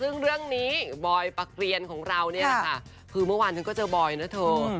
ซึ่งเรื่องนี้บอยปากเรียนของเราเนี่ยคือเมื่อวานฉันก็เจอบอยนะเถอะ